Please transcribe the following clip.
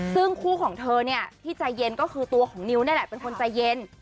ซึ่งคู่ของเธอเนี่ยที่ใจเย็นก็คือตัวของนิ้วนี่แหละเป็นคนใจเย็น